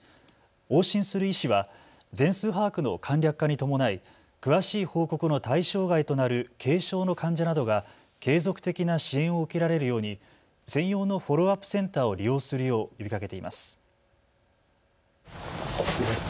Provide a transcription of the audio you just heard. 往診する医師は全数把握の簡略化に伴い詳しい報告の対象外となる軽症の患者などが継続的な支援を受けられるように専用のフォローアップセンターを利用するよう呼びかけています。